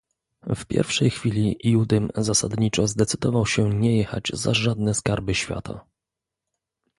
"W pierwszej chwili Judym zasadniczo zdecydował się nie jechać za żadne skarby świata."